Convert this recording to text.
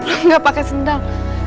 enggak pakai sendal